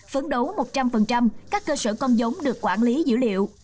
phấn đấu một trăm linh các cơ sở con giống được quản lý dữ liệu